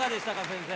先生。